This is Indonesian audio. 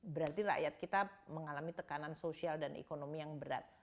berarti rakyat kita mengalami tekanan sosial dan ekonomi yang berat